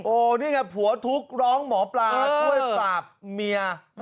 นี่ไงผัวทุกข์ร้องหมอปลาช่วยปราบเมีย